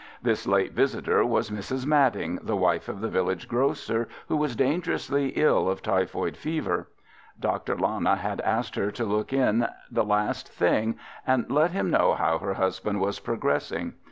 This late visitor was Mrs. Madding, the wife of the village grocer who was dangerously ill of typhoid fever. Dr. Lana had asked her to look in the last thing and let him know how her husband was progressing.